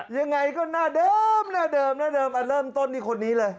ยังไงก็หน้าเดิมเริ่มต้นที่คนนี้เลย